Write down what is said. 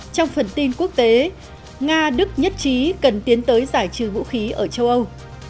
trong phần tin quốc tế nga đức nhất trí cần tiến tới giải trừ vũ khí ở châu âu